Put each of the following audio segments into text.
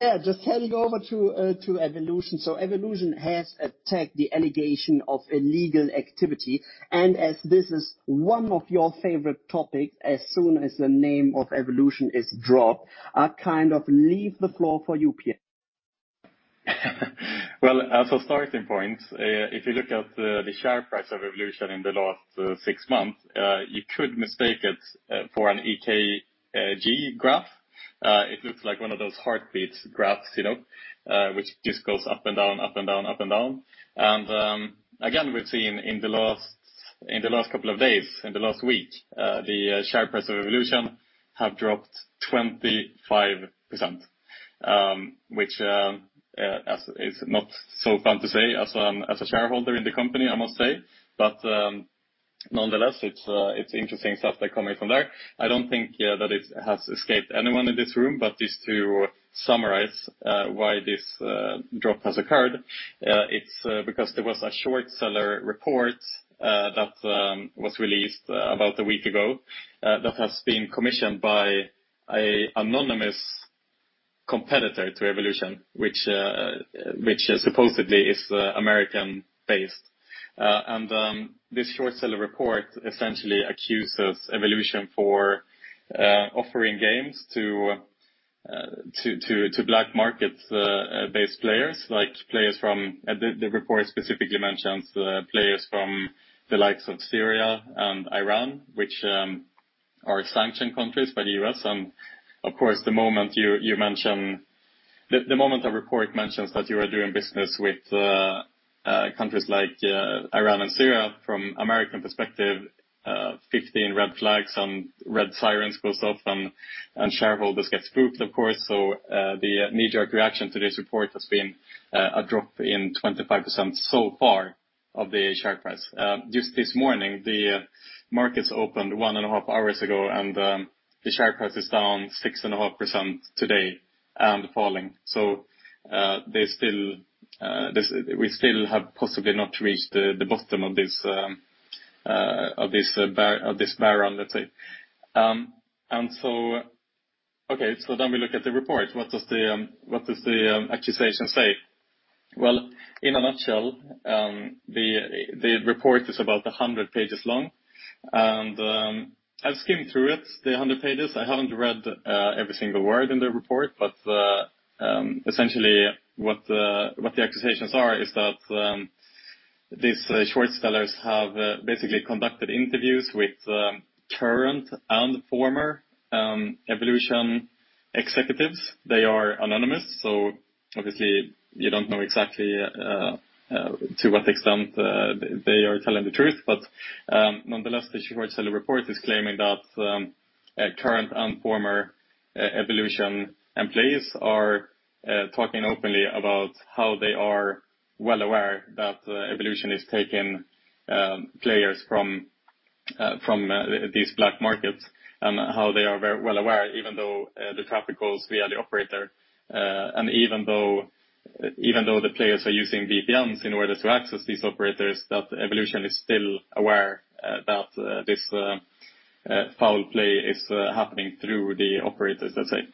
Yeah, just handing over to Evolution. Evolution has attacked the allegation of illegal activity, and as this is one of your favorite topics, as soon as the name of Evolution is dropped, I kind of leave the floor for you, Per. Well, as a starting point, if you look at the share price of Evolution in the last six months, you could mistake it for an EKG graph. It looks like one of those heartbeat graphs, you know, which just goes up and down, up and down, up and down. Again, we've seen in the last couple of days, in the last week, the share price of Evolution have dropped 25%. Which is not so fun to say as a shareholder in the company, I must say. Nonetheless, it's interesting stuff that's coming from there. I don't think that it has escaped anyone in this room, but just to summarize why this drop has occurred. It's because there was a short-seller report that was released about a week ago that has been commissioned by an anonymous competitor to Evolution, which supposedly is American-based. This short-seller report essentially accuses Evolution for offering games to black-market-based players, like players from the likes of Syria and Iran, which are sanctioned countries by the U.S. Of course, the moment a report mentions that you are doing business with countries like Iran and Syria from an American perspective, 15 red flags and red sirens goes off and shareholders get spooked, of course. The knee-jerk reaction to this report has been a drop in 25% so far of the share price. Just this morning, the markets opened 1.5 hours ago, and the share price is down 6.5% today and falling. We still have possibly not reached the bottom of this bear run, let's say. Okay, then we look at the report. What does the accusation say? Well, in a nutshell, the report is about 100 pages long. I've skimmed through it, the 100 pages. I haven't read every single word in the report, but essentially what the accusations are is that these short sellers have basically conducted interviews with current and former Evolution executives. They are anonymous, so obviously you don't know exactly to what extent they are telling the truth. Nonetheless, the short seller report is claiming that current and former Evolution employees are talking openly about how they are well aware that Evolution is taking players from these black markets, and how they are very well aware, even though the traffic goes via the operator, and even though the players are using VPNs in order to access these operators, that Evolution is still aware that this foul play is happening through the operators, let's say.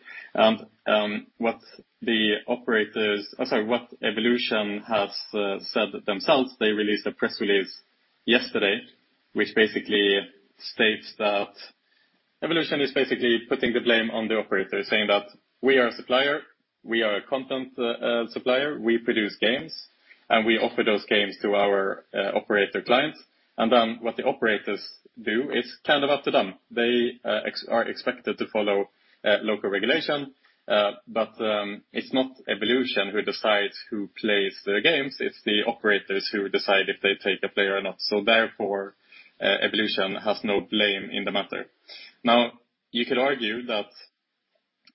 What the operators—sorry, what Evolution has said themselves, they released a press release yesterday, which basically states that Evolution is basically putting the blame on the operators, saying that we are a supplier, we are a content supplier, we produce games, and we offer those games to our operator clients. Then what the operators do is kind of up to them. They are expected to follow local regulation, but it's not Evolution who decides who plays the games, it's the operators who decide if they take a player or not. Therefore, Evolution has no blame in the matter. Now, you could argue that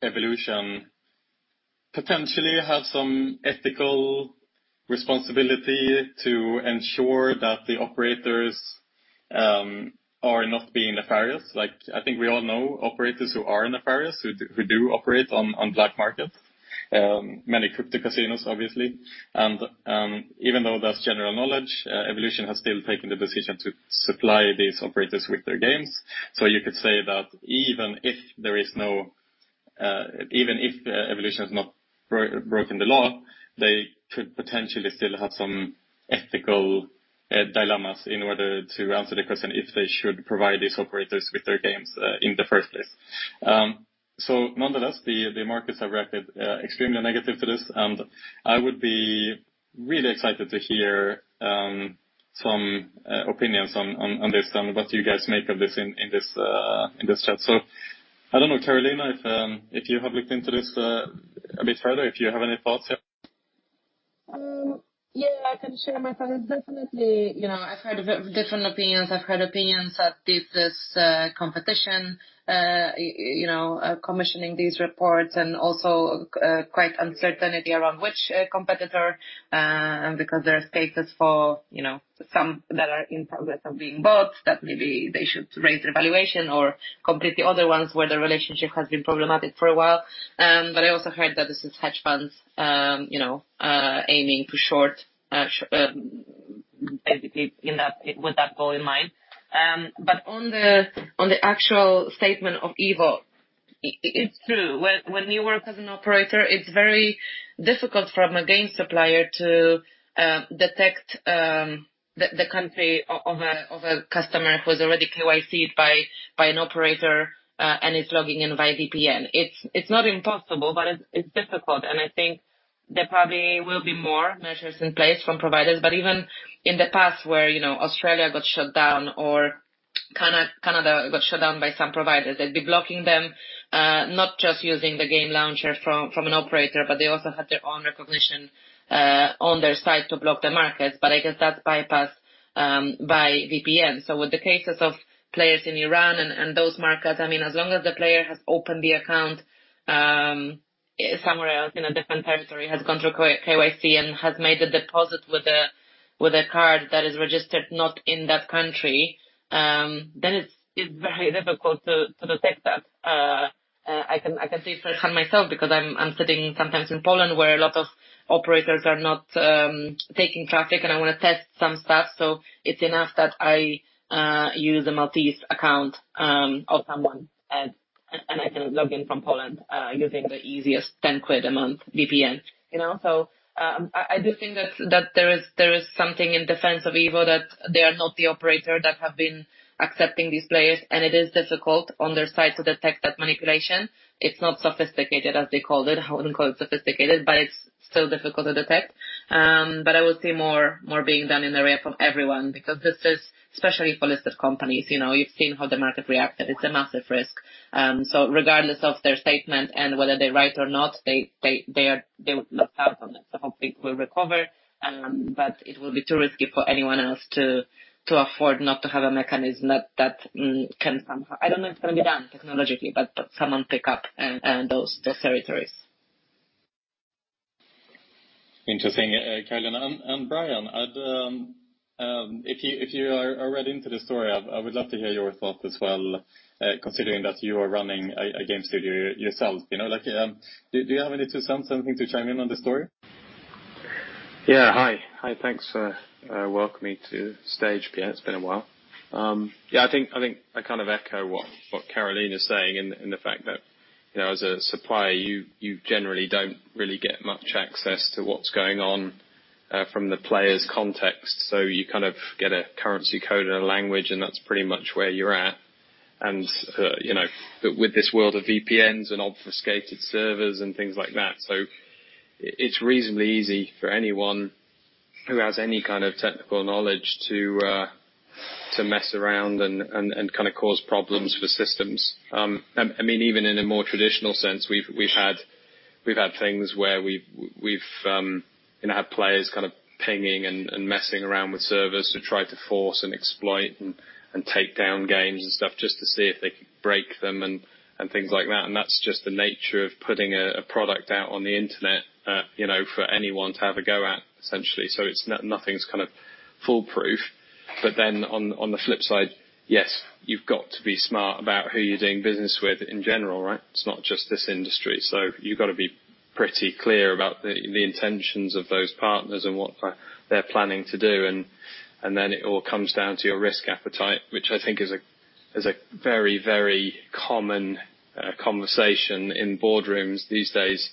Evolution potentially have some ethical responsibility to ensure that the operators are not being nefarious. Like, I think we all know operators who are nefarious, who do operate on black market. Many crypto casinos, obviously. Even though that's general knowledge, Evolution has still taken the decision to supply these operators with their games. You could say that even if Evolution has not broken the law, they could potentially still have some ethical dilemmas in order to answer the question if they should provide these operators with their games in the first place. Nonetheless, the markets have reacted extremely negative to this, and I would be really excited to hear some opinions on this, from what you guys make of this in this chat. I don't know, Carolina, if you have looked into this a bit further, if you have any thoughts here. Yeah, I can share my thoughts. Definitely, you know, I've heard very different opinions. I've heard opinions that this competition you know commissioning these reports and also quite uncertainty around which competitor and because there are cases for you know some that are in progress of being bought, that maybe they should raise their valuation or completely other ones where the relationship has been problematic for a while. I also heard that this is hedge funds you know aiming to short basically with that goal in mind. On the actual statement of Evo, it's true. When you work as an operator, it's very difficult from a game supplier to detect the country of a customer who is already KYC'd by an operator and is logging in via VPN. It's not impossible, but it's difficult, and I think there probably will be more measures in place from providers. Even in the past where, you know, Australia got shut down or Canada got shut down by some providers, they'd be blocking them not just using the game launcher from an operator, but they also had their own recognition on their side to block the markets. I guess that's bypassed by VPN. With the cases of players in Iran and those markets, I mean, as long as the player has opened the account somewhere else in a different territory, has gone through KYC and has made a deposit with a card that is registered not in that country, then it's very difficult to detect that. I can say firsthand myself, because I'm sitting sometimes in Poland, where a lot of operators are not taking traffic, and I wanna test some stuff. It's enough that I use a Maltese account of someone and I can log in from Poland using the easiest 10 quid a month VPN, you know? I do think that there is something in defense of Evo that they are not the operator that have been accepting these players, and it is difficult on their side to detect that manipulation. It's not sophisticated, as they called it. I wouldn't call it sophisticated, but it's still difficult to detect. I would see more being done in the area from everyone because this is especially for listed companies. You know, you've seen how the market reacted. It's a massive risk. Regardless of their statement and whether they're right or not, they will look out on it. I hope it will recover, but it will be too risky for anyone else to afford not to have a mechanism that can somehow. I don't know if it's gonna be done technologically, but someone pick up and those territories. Interesting, Caroline. Brian, if you are read into the story, I would love to hear your thoughts as well, considering that you are running a game studio yourself. You know, like, do you have any two cents, something to chime in on the story? Yeah. Hi. Hi, thanks for welcoming me to stage, Pierre. It's been a while. Yeah, I think I kind of echo what Caroline is saying in the fact that, you know, as a supplier, you generally don't really get much access to what's going on from the player's context. So you kind of get a currency code and a language, and that's pretty much where you're at. You know, with this world of VPNs and obfuscated servers and things like that, so it's reasonably easy for anyone who has any kind of technical knowledge to mess around and kinda cause problems for systems. I mean, even in a more traditional sense, we've had things where we've had players kind of pinging and messing around with servers to try to force and exploit and take down games and stuff just to see if they could break them and things like that. That's just the nature of putting a product out on the internet, you know, for anyone to have a go at, essentially. Nothing's kind of foolproof. On the flip side, yes, you've got to be smart about who you're doing business with in general, right? It's not just this industry. You've got to be pretty clear about the intentions of those partners and what they're planning to do. It all comes down to your risk appetite, which I think is a very, very common conversation in boardrooms these days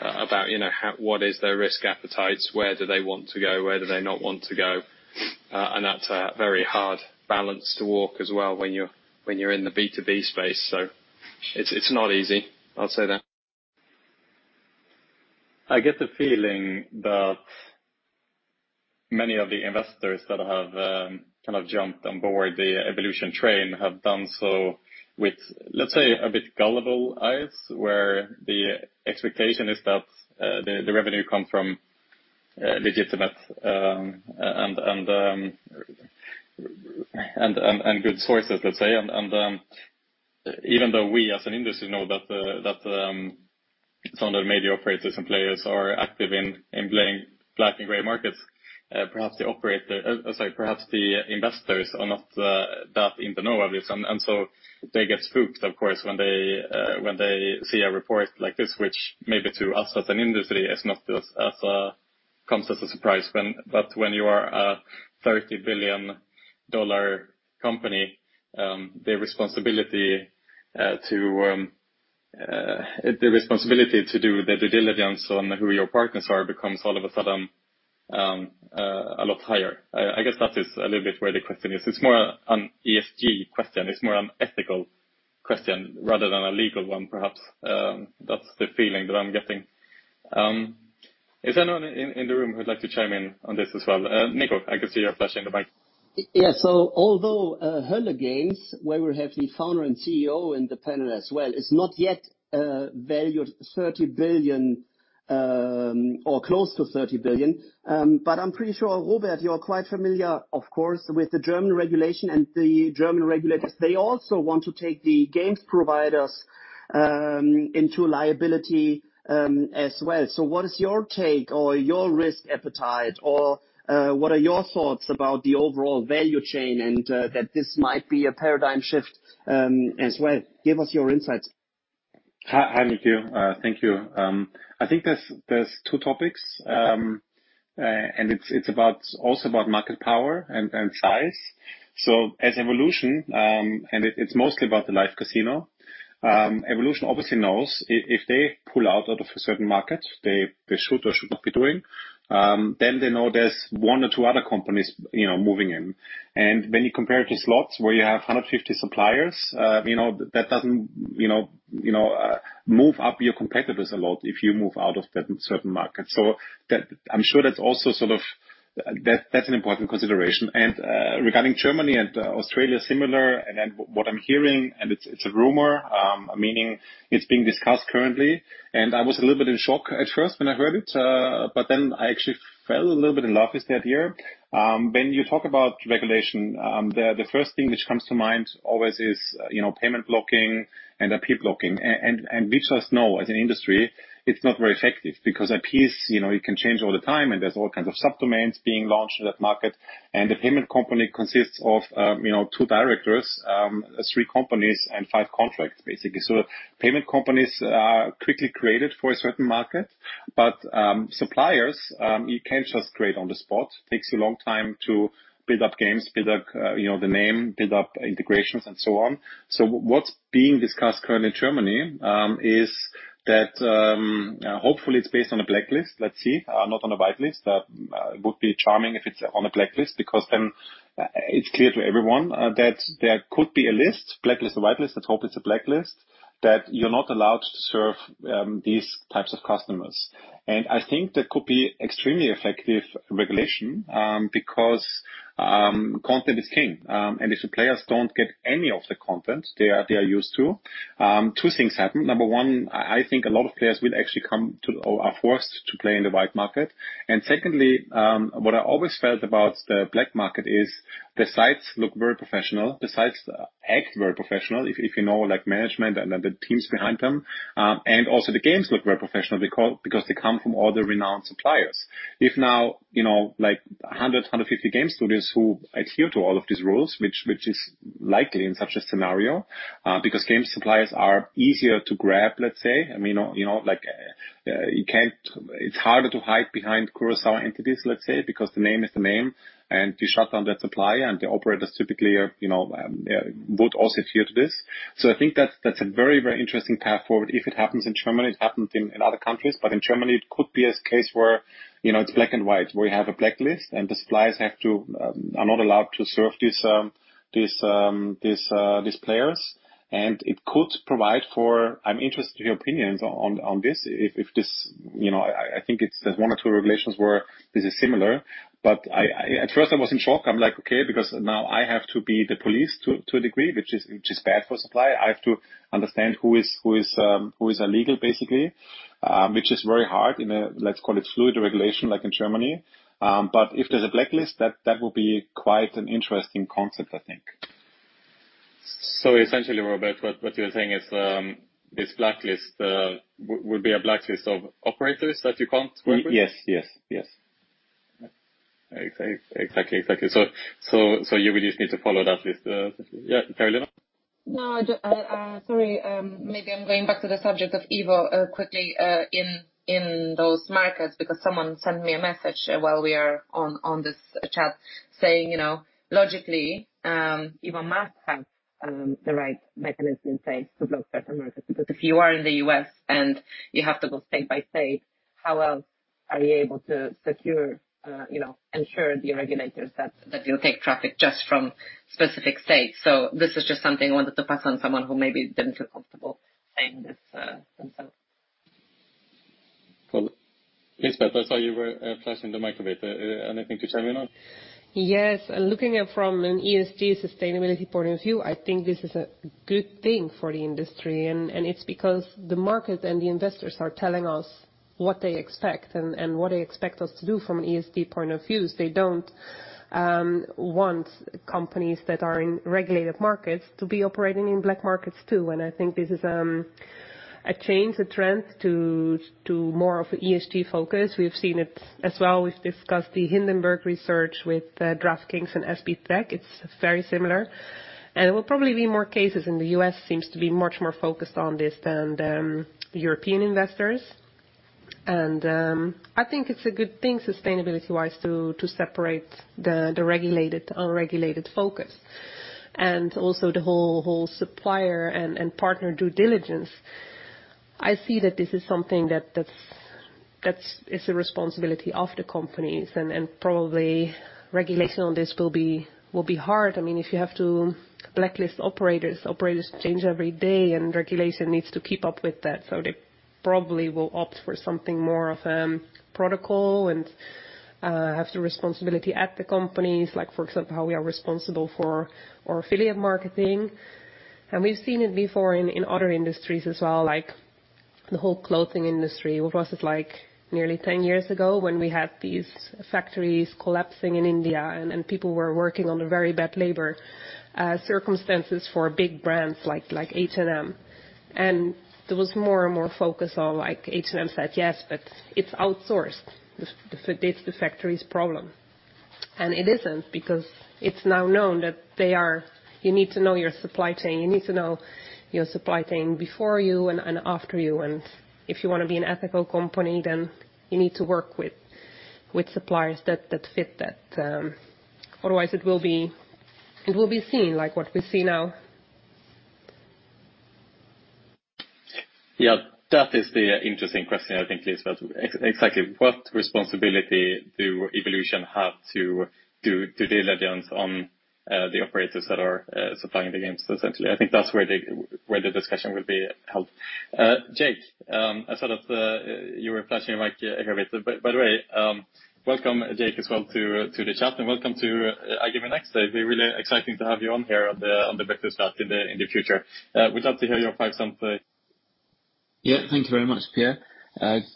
about, you know, what is their risk appetites, where do they want to go, where do they not want to go? That's a very hard balance to walk as well when you're in the B2B space. It's not easy. I'll say that. I get the feeling that many of the investors that have kind of jumped on board the Evolution train have done so with, let's say, a bit gullible eyes, where the expectation is that the revenue comes from legitimate and good sources, let's say. Even though we as an industry know that some of the major operators and players are active in playing black and gray markets, perhaps the investors are not that in the know of this. They get spooked, of course, when they see a report like this, which maybe to us as an industry is not as but when you are a $30 billion company, the responsibility to do the due diligence on who your partners are becomes all of a sudden a lot higher. I guess that is a little bit where the question is. It's more an ESG question. It's more an ethical question rather than a legal one perhaps. That's the feeling that I'm getting. Is anyone in the room who'd like to chime in on this as well? Nico, I can see you're flashing in the back. Yeah. Although Hölle Games, where we have the founder and CEO in the panel as well, is not yet valued 30 billion or close to 30 billion. I'm pretty sure, Robert, you're quite familiar, of course, with the German regulation and the German regulators. They also want to take the games providers into liability as well. What is your take or your risk appetite or what are your thoughts about the overall value chain and that this might be a paradigm shift as well? Give us your insights. Hi, Nico. Thank you. I think there's two topics. It's also about market power and size. As Evolution, it's mostly about the live casino. Evolution obviously knows if they pull out of a certain market they should or should not be doing, then they know there's one or two other companies, you know, moving in. When you compare it to slots where you have 150 suppliers, you know, that doesn't, you know, move up your competitors a lot if you move out of that certain market. I'm sure that's also sort of that's an important consideration. Regarding Germany and Australia similar. Then what I'm hearing, and it's a rumor, meaning it's being discussed currently. I was a little bit in shock at first when I heard it, but then I actually fell a little bit in love with the idea. When you talk about regulation, the first thing which comes to mind always is, you know, payment blocking and IP blocking. We just know as an industry, it's not very effective because IPs, you know, it can change all the time, and there's all kinds of subdomains being launched in that market. The payment company consists of, you know, two directors, three companies and five contracts, basically. Payment companies are quickly created for a certain market, but suppliers you can't just create on the spot. It takes a long time to build up games, build up, you know, the name, build up integrations and so on. What's being discussed currently in Germany is that hopefully it's based on a blacklist, let's see, not on a whitelist. Would be charming if it's on a blacklist because then it's clear to everyone that there could be a list, blacklist or whitelist. Let's hope it's a blacklist, that you're not allowed to serve these types of customers. I think that could be extremely effective regulation because content is king. If the players don't get any of the content they are used to, two things happen. Number one, I think a lot of players will actually come to or are forced to play in the white market. Secondly, what I always felt about the black market is the sites look very professional. The sites act very professional, if you know, like management and the teams behind them. Also the games look very professional because they come from all the renowned suppliers. If you know, like 150 game studios who adhere to all of these rules, which is likely in such a scenario, because game suppliers are easier to grab, let's say. I mean, you know, like it's harder to hide behind Curaçao entities, let's say, because the name is the name, and you shut down that supplier. The operators typically are, you know, would also adhere to this. I think that's a very interesting path forward. If it happens in Germany, it happened in other countries, but in Germany it could be a case where, you know, it's black and white, where you have a blacklist and the suppliers are not allowed to serve these players. It could provide for. I'm interested in your opinions on this. If this, you know, I think there's one or two regulations where this is similar. At first I was in shock. I'm like, okay, because now I have to be the police to a degree, which is bad for supply. I have to understand who is illegal basically. Which is very hard in a, let's call it fluid regulation, like in Germany. If there's a blacklist, that will be quite an interesting concept, I think. Essentially, Robert, what you're saying is, this blacklist will be a blacklist of operators that you can't work with? Yes, yes. Exactly. You would just need to follow that list. Yeah, Caroline? Maybe I'm going back to the subject of Evo quickly in those markets because someone sent me a message while we are on this chat saying, you know, logically, Evo must have the right mechanism in place to block certain markets. Because if you are in the U.S. and you have to go state by state, how else are you able to secure, you know, ensure the regulators that you take traffic just from specific states? This is just something I wanted to pass on someone who maybe didn't feel comfortable saying this themselves. Well, Lisbeth, I saw you were flashing the mic a bit. Anything to chime in on? Yes. Looking at it from an ESG sustainability point of view, I think this is a good thing for the industry, and it's because the market and the investors are telling us what they expect and what they expect us to do from an ESG point of view. They don't want companies that are in regulated markets to be operating in black markets, too. I think this is a change, a trend to more of ESG focus. We've seen it as well. We've discussed the Hindenburg Research with DraftKings and SBTech. It's very similar, and there will probably be more cases, and the U.S. seems to be much more focused on this than European investors. I think it's a good thing sustainability-wise to separate the regulated, unregulated focus and also the whole supplier and partner due diligence. I see that this is something that is the responsibility of the companies and probably regulation on this will be hard. I mean, if you have to blacklist operators change every day, and regulation needs to keep up with that. They probably will opt for something more of protocol and have the responsibility at the companies, like, for example, how we are responsible for our affiliate marketing. We've seen it before in other industries as well, like the whole clothing industry. What was it like nearly ten years ago when we had these factories collapsing in India and people were working under very bad labor circumstances for big brands like H&M. There was more and more focus on, like H&M said yes, but it's outsourced. It's the factory's problem. It isn't because it's now known that you need to know your supply chain. You need to know your supply chain before you and after you. If you wanna be an ethical company, then you need to work with suppliers that fit that, otherwise it will be seen like what we see now. Yeah. That is the interesting question I think, Lisbeth. Exactly what responsibility do Evolution have to do due diligence on the operators that are supplying the games essentially? I think that's where the discussion will be held. Jake, I saw that you were flashing your mic here a bit. By the way, welcome, Jake, as well to the chat and welcome to iGaming NEXT today. Be really exciting to have you on here on the virtual start in the future. Would love to hear your thoughts on the- Yeah. Thank you very much, Pierre.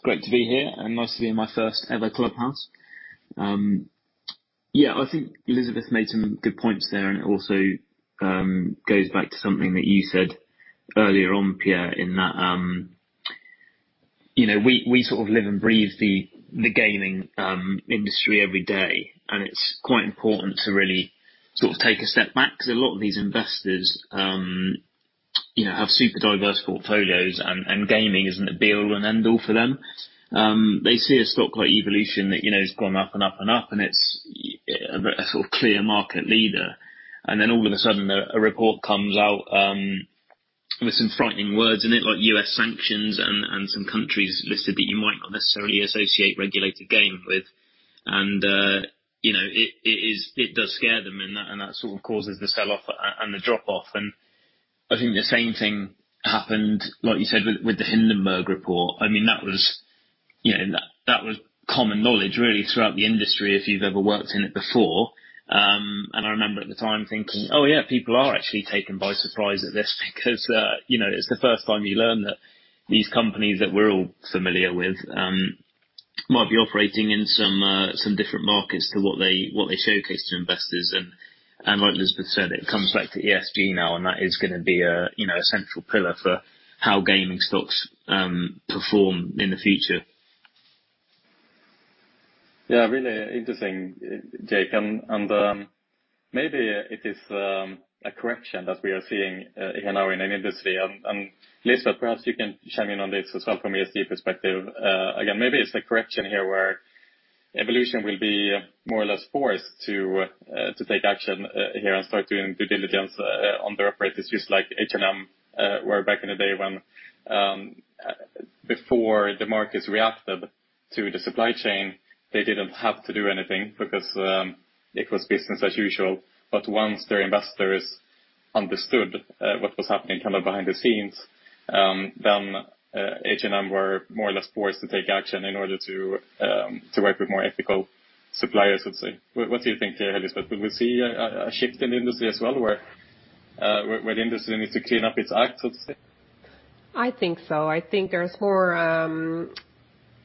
Great to be here, and nice to be in my first ever clubhouse. Yeah, I think Lisbeth made some good points there, and it also goes back to something that you said earlier on, Pierre, in that you know, we sort of live and breathe the gaming industry every day, and it's quite important to really sort of take a step back. Because a lot of these investors you know have super diverse portfolios and gaming isn't the be-all and end-all for them. They see a stock like Evolution that you know has gone up and up and up, and it's a sort of clear market leader. Then all of a sudden a report comes out with some frightening words in it, like U.S. sanctions and some countries listed that you might not necessarily associate regulated gaming with. You know, it does scare them, and that sort of causes the sell-off and the drop-off. I think the same thing happened, like you said, with the Hindenburg report. I mean, that was, you know, common knowledge really throughout the industry if you've ever worked in it before. I remember at the time thinking, oh, yeah, people are actually taken by surprise at this because you know, it's the first time you learn that these companies that we're all familiar with might be operating in some different markets to what they showcase to investors. Like Lisbeth said, it comes back to ESG now, and that is gonna be a, you know, a central pillar for how gaming stocks perform in the future. Yeah. Really interesting, Jake. Maybe it is a correction that we are seeing here now in an industry. Lisbeth, perhaps you can chime in on this as well from an ESG perspective. Again, maybe it's a correction here where Evolution will be more or less forced to take action here and start doing due diligence on their operators, just like H&M, where back in the day when before the markets reacted to the supply chain, they didn't have to do anything because it was business as usual. Once their investors understood what was happening kind of behind the scenes, then H&M were more or less forced to take action in order to work with more ethical suppliers, let's say. What do you think here, Lisbeth? We will see a shift in the industry as well where the industry needs to clean up its act, let's say? I think so. I think there's more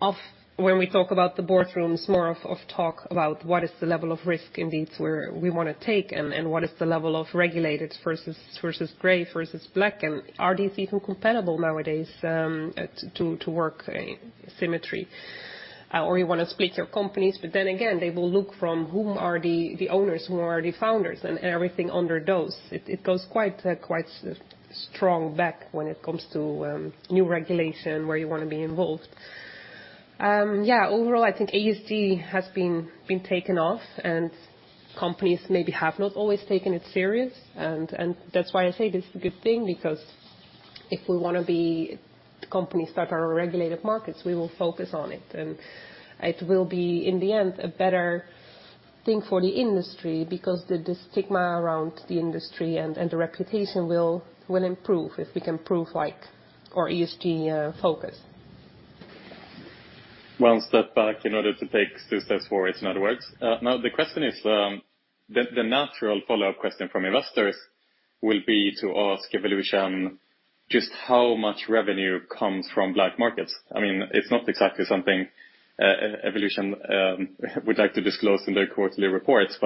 of when we talk about the boardrooms, more of talk about what is the level of risk indeed where we wanna take and what is the level of regulated versus gray versus black, and are these even compatible nowadays to work in symmetry? You wanna split your companies, but then again, they will look from whom are the owners, whom are the founders and everything under those. It goes quite strong back when it comes to new regulation where you wanna be involved. Yeah, overall, I think ESG has been taken off, and companies maybe have not always taken it serious. That's why I say this is a good thing because if we wanna be companies that are regulated markets, we will focus on it, and it will be, in the end, a better thing for the industry because the stigma around the industry and the reputation will improve if we can prove like our ESG focus. One step back in order to take two steps forward, in other words. Now the question is, the natural follow-up question from investors will be to ask Evolution just how much revenue comes from black markets. I mean, it's not exactly something, Evolution, would like to disclose in their quarterly reports.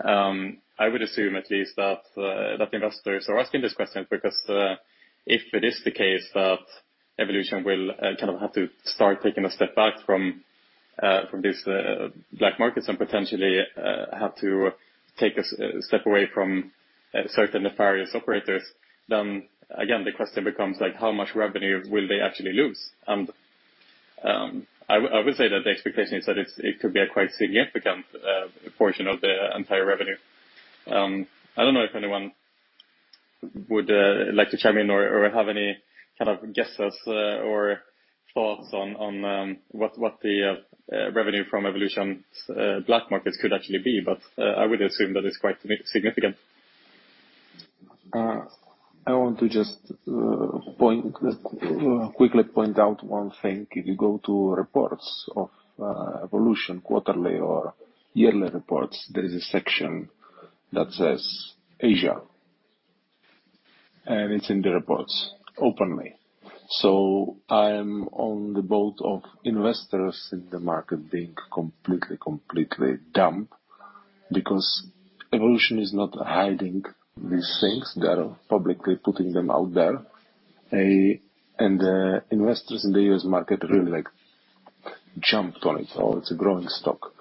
I would assume at least that investors are asking these questions because, if it is the case that Evolution will, kind of have to start taking a step back from these, black markets and potentially, have to take a step away from, certain nefarious operators, then again, the question becomes like, how much revenue will they actually lose? I would say that the expectation is that it could be a quite significant, portion of the entire revenue. I don't know if anyone would like to chime in or have any kind of guesses or thoughts on what the revenue from Evolution's black markets could actually be, but I would assume that it's quite significant. I want to just quickly point out one thing. If you go to reports of Evolution quarterly or yearly reports, there is a section that says Asia, and it's in the reports openly. I'm on the boat of investors in the market being completely dumb because Evolution is not hiding these things. They are publicly putting them out there. Investors in the U.S. market really like jumped on it. It's a growing stock.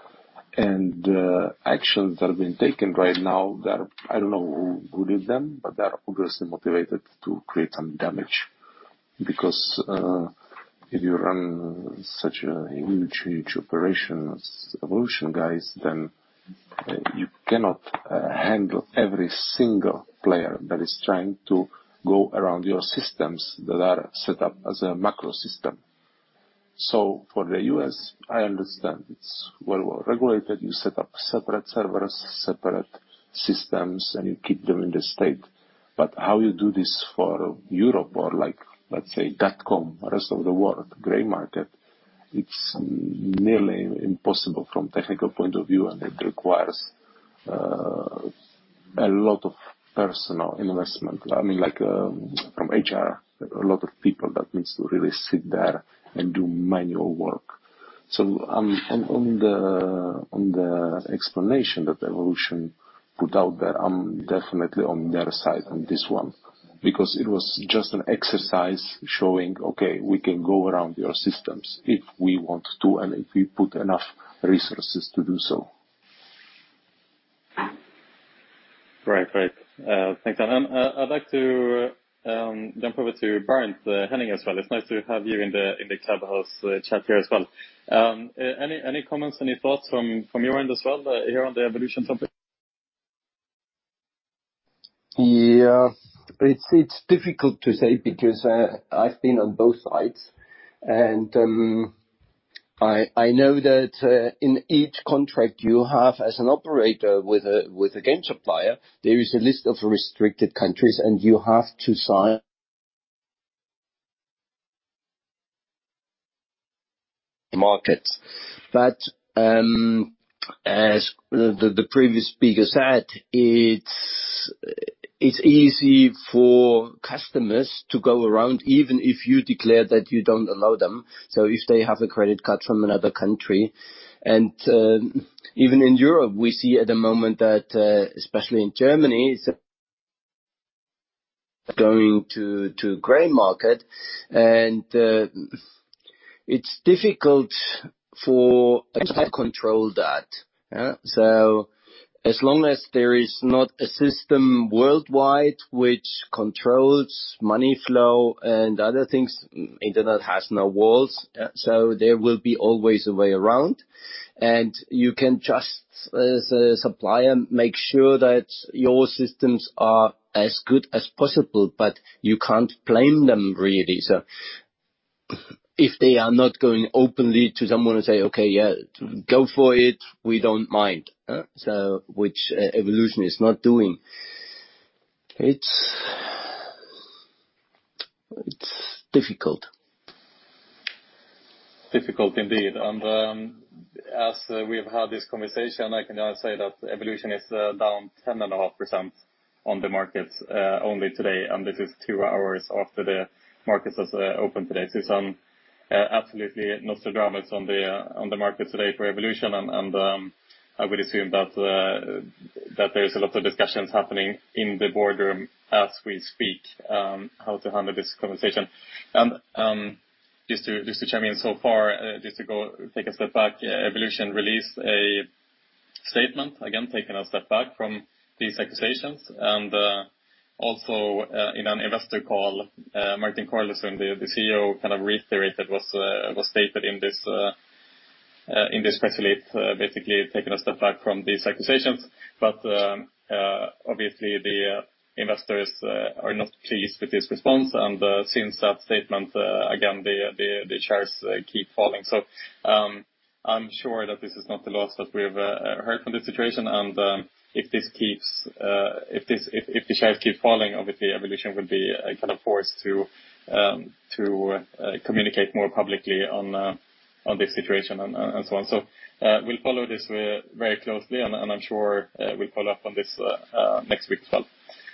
Actions that have been taken right now, they're. I don't know who did them, but they are obviously motivated to create some damage. If you run such a huge operation as Evolution guys, then you cannot handle every single player that is trying to go around your systems that are set up as a macro system. For the U.S., I understand it's well regulated. You set up separate servers, separate systems, and you keep them in the state. How you do this for Europe or like, let's say, dot com, the rest of the world, gray market, it's nearly impossible from technical point of view, and it requires a lot of personnel investment. I mean, like, from HR, a lot of people that needs to really sit there and do manual work. On the explanation that Evolution put out there, I'm definitely on their side on this one because it was just an exercise showing, okay, we can go around your systems if we want to and if we put enough resources to do so. Great. Thanks. I'd like to jump over to Bernd Henning as well. It's nice to have you in the clubhouse chat here as well. Any comments, any thoughts from your end as well here on the Evolution topic? Yeah. It's difficult to say because I've been on both sides. I know that in each contract you have as an operator with a game supplier, there is a list of restricted countries, and you have to sign markets. As the previous speaker said, it's easy for customers to go around, even if you declare that you don't allow them. If they have a credit card from another country. Even in Europe, we see at the moment that especially in Germany, it's going to gray market. It's difficult to control that. As long as there is not a system worldwide which controls money flow and other things, internet has no walls. There will be always a way around. You can just, as a supplier, make sure that your systems are as good as possible, but you can't blame them, really. If they are not going openly to someone and say, "Okay, yeah, go for it, we don't mind." Which Evolution is not doing. It's difficult. Difficult indeed. As we've had this conversation, I can now say that Evolution is down 10.5% on the market only today, and this is two hours after the markets has opened today. Some absolutely Nostradamus on the market today for Evolution. I would assume that there's a lot of discussions happening in the boardroom as we speak how to handle this conversation. Just to chime in so far, just to take a step back, Evolution released a statement, again, taking a step back from these accusations. Also, in an investor call, Martin Carlesund, the CEO, kind of reiterated what was stated in this press release, basically taking a step back from these accusations. Obviously the investors are not pleased with this response. Since that statement, again, the shares keep falling. I'm sure that this is not the last that we have heard from this situation. If the shares keep falling, obviously Evolution will be kind of forced to communicate more publicly on this situation and so on. We'll follow this very closely, and I'm sure we'll follow up on this next week as well.